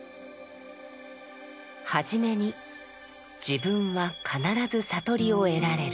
初めに「自分は必ず悟りを得られる。